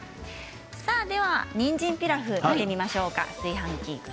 ではにんじんピラフ見てみましょうか、炊飯器。